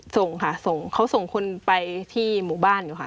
ส่งค่ะส่งเขาส่งคนไปที่หมู่บ้านอยู่ค่ะ